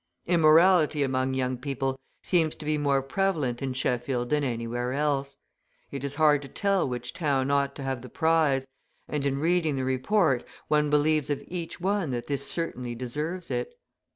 Immorality among young people seems to be more prevalent in Sheffield than anywhere else. It is hard to tell which town ought to have the prize, and in reading the report one believes of each one that this certainly deserves it!